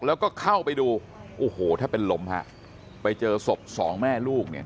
แล้วก็เข้าไปดูโอ้โหแทบเป็นลมฮะไปเจอศพสองแม่ลูกเนี่ย